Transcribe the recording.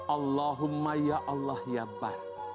allahumma ya allah ya bah